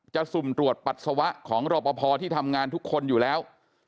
สุ่มตรวจปัสสาวะของรอปภที่ทำงานทุกคนอยู่แล้ว